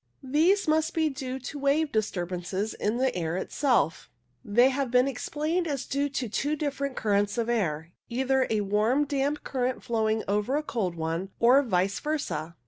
These must be due to wave disturbances in the air itself. They have been explained as due to two different currents of air, either a warm damp current flowing over a cold one, or vice versa.